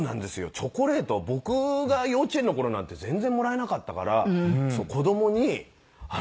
チョコレート僕が幼稚園の頃なんて全然もらえなかったから子供に「すごいな」。